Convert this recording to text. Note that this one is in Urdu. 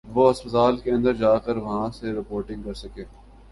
وہ ہسپتال کے اندر جا کر وہاں سے رپورٹنگ کر سکے۔